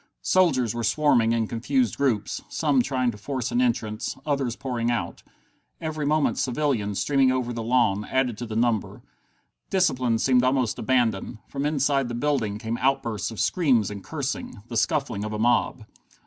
Soldiers were swarming in confused groups, some trying to force an entrance, others pouring out. Every moment civilians, streaming over the lawn, added to the number. Discipline seemed almost abandoned. From inside the building came outbursts of screams and cursing, the scuffling of a mob.